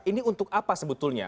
ini untuk apa sebetulnya